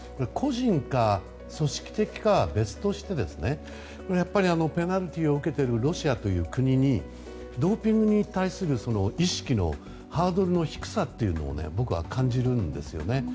個人か、組織的かは別としてやっぱりペナルティーを受けているロシアという国にドーピングに対する意識のハードルの低さというのを僕は感じるんですよね。